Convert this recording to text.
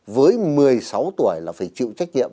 với một mươi sáu tuổi là phải chịu trách nhiệm